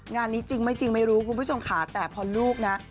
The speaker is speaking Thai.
งานนี้จริงไม่จริงไม่รู้